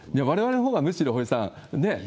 われわれのほうがむしろ、堀さん、ね。